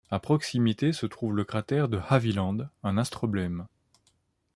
A proximité se trouve le Cratère de Haviland, un astroblème.